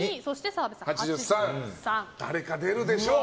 誰か出るでしょう。